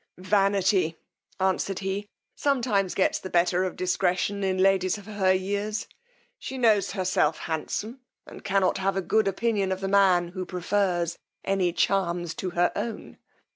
Vanity, answered he, sometimes gets the better of discretion in ladies of her years: she knows herself handsome, and cannot have a good opinion of the man who prefers any charms to her own.